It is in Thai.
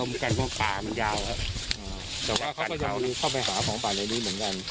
มันยาวครับอ๋อแต่ว่าเขาก็จะเอาหนึ่งเข้าไปหาของปลาในดีเหมือนกัน